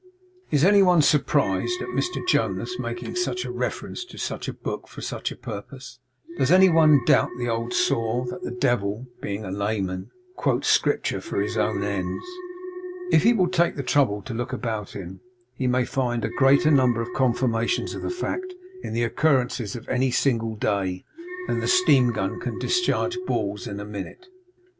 Is any one surprised at Mr Jonas making such a reference to such a book for such a purpose? Does any one doubt the old saw, that the Devil (being a layman) quotes Scripture for his own ends? If he will take the trouble to look about him, he may find a greater number of confirmations of the fact in the occurrences of any single day, than the steam gun can discharge balls in a minute.